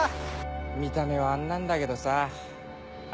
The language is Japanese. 見た目はあんなんだけどさあ